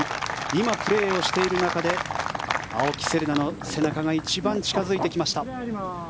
今プレーをしている中で青木瀬令奈の背中が一番近付いてきました。